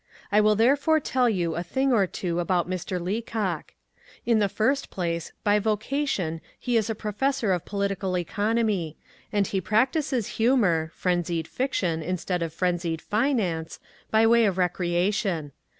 I will therefore tell you a thing or two about Mr. Leacock. In the first place, by vocation he is a Professor of Political Economy, and he practises humour frenzied fiction instead of frenzied finance by way of recreation.